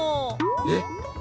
えっ！？